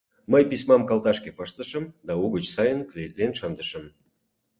Мый письмам калташке пыштышым да угыч сайын клеитлен шындышым.